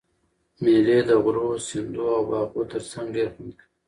مېلې د غرو، سیندو او باغو ترڅنګ ډېر خوند کوي.